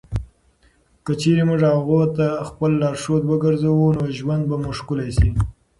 که چېرې موږ هغوی خپل لارښود وګرځوو، نو ژوند به مو ښکلی شي.